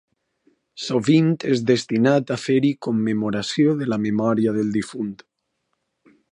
Sovint és destinat a fer-hi commemoració de la memòria del difunt.